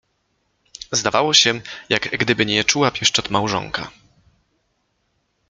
Zdawało się, jak gdyby nie czuła pieszczot małżonka.